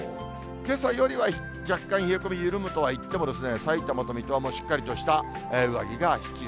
けさよりは若干、冷え込み緩むとはいっても、さいたまと水戸は、もうしっかりとした上着が必要。